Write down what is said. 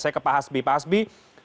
saya ke pak hasbi pak hasbi